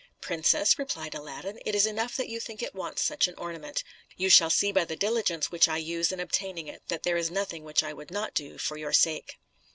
"Princess," replied Aladdin, "it is enough that you think it wants such an ornament; you shall see by the diligence which I use in obtaining it, that there is nothing which I would not do for your sake."